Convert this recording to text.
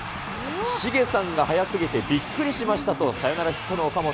シゲさんが速すぎてびっくりしましたと、サヨナラヒットの岡本。